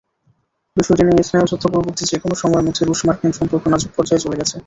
বিষয়টি নিয়ে স্নায়ুযুদ্ধ-পরবর্তী যেকোনো সময়ের মধ্যে রুশ-মার্কিন সম্পর্ক নাজুক পর্যায়ে চলে গেছে।